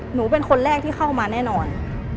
หนูเป็นคนแรกที่เข้ามาแน่นอน